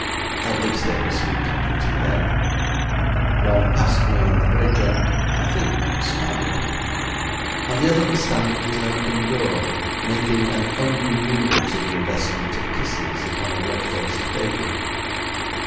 At least they were sweetly pretty then; one passed me on the bridge and, I think, smiled; and the other was standing at an open door, making an unremunerative investment of kisses upon a red faced baby.